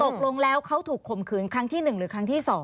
ตกลงแล้วเขาถูกข่มขืนครั้งที่๑หรือครั้งที่๒